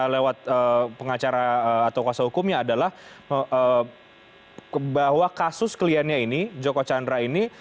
lewat pengacara atau kuasa hukumnya adalah bahwa kasus kliennya ini joko chandra ini